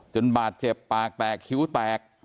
บาดเจ็บปากแตกคิ้วแตก